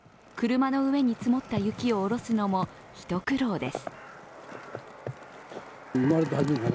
車の上に積もった雪を下ろすのも一苦労です。